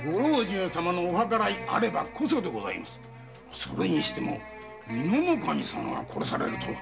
それにしても美濃守様が殺されるとは。